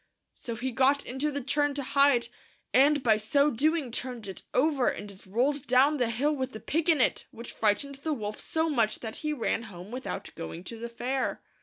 So he got into the churn to hide, and by so doing turned it over, and it rolled down the hill with the pig in it, which frightened the wolf so much that he ran home without going to the fair.